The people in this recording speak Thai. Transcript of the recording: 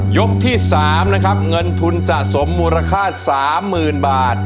ยกที่สามนะครับเงินทุนสะสมมูลค่าสามหมื่นบาท